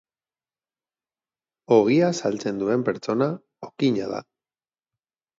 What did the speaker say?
Ogia saltzen duen pertsona okina da.